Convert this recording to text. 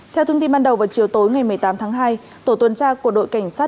theo thông tin ban đầu vào chiều tối ngày một mươi tám tháng hai tổ tuần tra của đội cảnh sát